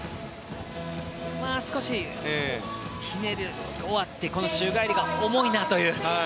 少し、ひねり終わってこの宙返りが重いなという。